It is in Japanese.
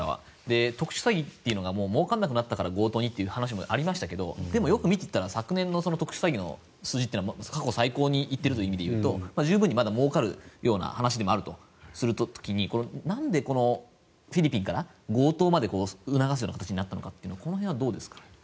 特殊詐欺というのがもうからなくなったから強盗にという話もありましたけどでもよく見ていったら昨年の特殊詐欺の数字は過去最高にいってるという意味でいうと十分にまだもうかる話でもあるとするとなんでフィリピンから強盗まで促すような形になったのかというこの辺はどうですか。